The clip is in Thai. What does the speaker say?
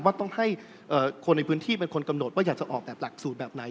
ว่าต้องให้คนในพื้นที่เป็นคนกำหนดว่าอยากจะออกแบบหลักสูตรแบบไหน